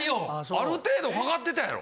ある程度かかってたやろ。